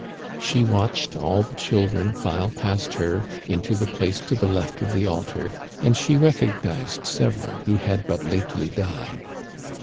She watched all the children file past her into thé place to the left of the altar, and she recognized several who had but lately died.